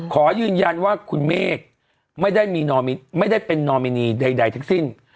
ขอยืนยันว่าคุณเมฆไม่ได้มีไม่ได้เป็นนอมินีใดทั้งสิ้น